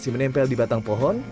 masih menempel di batang pohon